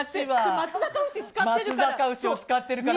松阪牛使ってるから。